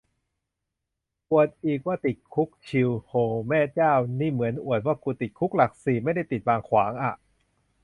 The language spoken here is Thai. อวดอีกว่าติดคุกชิล โหแม่เจ้า นี่เหมือนอวดว่ากูติดคุกหลักสี่ไม่ได้ติดบางขวางอะ